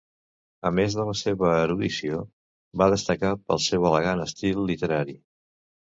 A més de la seva erudició, va destacar pel seu elegant estil literari.